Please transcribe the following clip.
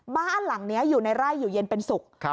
บ้านหลังนี้อยู่ในไร่อยู่เย็นเป็นสุข